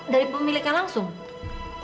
dari pemiliknya langsung